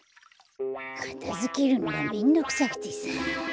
かたづけるのがめんどくさくてさ。